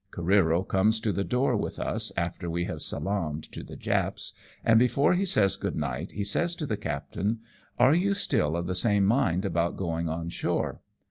Careero comes to the door with us after we have salaamed to the Japs, and before he says good night, he says to the captain, " Are you still of the same mind about going on shore